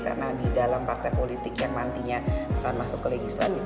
karena di dalam partai politik yang nantinya akan masuk ke legislatif